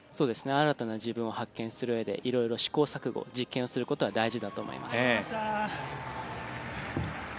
新たな自分を発見するうえで試行錯誤、実験をすることは大事だと思います。